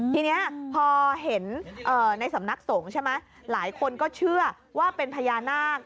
ทีนี้พอเห็นในสำนักสงฆ์ใช่ไหมหลายคนก็เชื่อว่าเป็นพญานาค